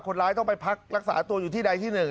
คนร้ายต้องไปพักรักษาตัวอยู่ที่ใดที่๑